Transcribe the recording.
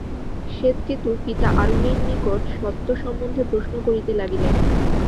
শ্বেতকেতু পিতা আরুণির নিকট সত্য সম্বন্ধে প্রশ্ন করিতে লাগিলেন।